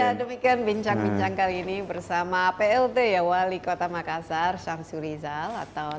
ya demikian bincang bincang kali ini bersama plt ya wali kota makassar syamsur rizal atau